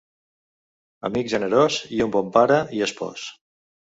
Amic generós i un bon pare i espòs.